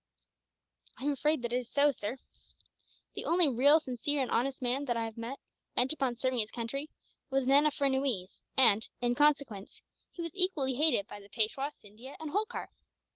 "I am afraid that that is so, sir. The only really sincere and honest man that I have met, bent upon serving his country, was Nana Furnuwees and, in consequence, he was equally hated by the Peishwa, Scindia, and Holkar.